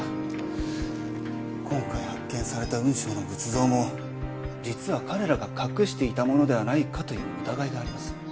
今回発見された雲尚の仏像も実は彼らが隠していたものではないかという疑いがあります。